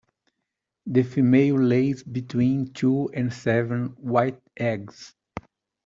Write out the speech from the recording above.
The female lays between two and seven white eggs.